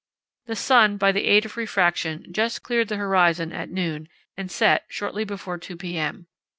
The sun by the aid of refraction just cleared the horizon at noon and set shortly before 2 p.m.